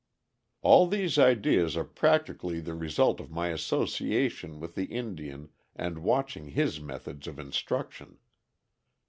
All these ideas are practically the result of my association with the Indian and watching his methods of instruction.